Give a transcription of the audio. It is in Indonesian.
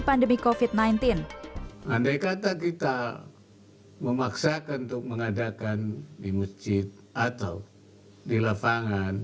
pandemi kofit sembilan belas andai kata kita memaksakan untuk mengadakan di masjid atau di lapangan